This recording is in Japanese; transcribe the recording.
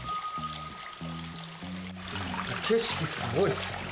景色すごいっすね。